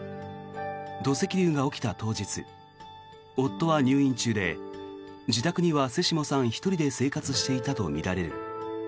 土石流が起きた当日夫は入院中で自宅には瀬下さん１人で生活していたとみられる。